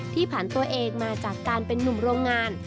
ผ่านตัวเองมาจากการเป็นนุ่มโรงงาน